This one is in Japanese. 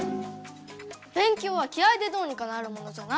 べん強は気合いでどうにかなるものじゃない。